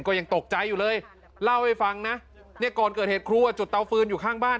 ก็ยังตกใจอยู่เลยเล่าให้ฟังนะเนี่ยก่อนเกิดเหตุครูอ่ะจุดเตาฟืนอยู่ข้างบ้าน